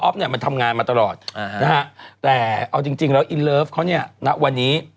เนี่ยมันทำงานมาตลอดนะฮะแต่เอาจริงแล้วอินเลิฟเขาเนี่ยณวันนี้